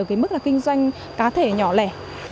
cái mức là kinh doanh cá thể nhỏ lẻ